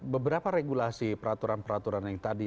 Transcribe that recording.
beberapa regulasi peraturan peraturan yang tadi